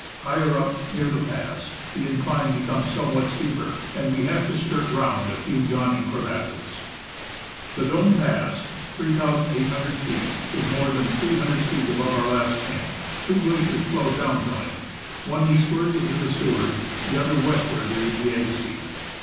ELIAS Higher up, near the pass, the incline becomes somewhat steeper, and we have to skirt round a few yawning crevasses. The Dome Pass (3,<Soo feet) is more than 300 feet above our last camp. Two glaciers flow down from it, one eastward into the Seward, the other westward into the Agassiz.